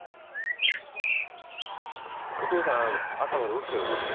お父さん朝まで起きてるんですか？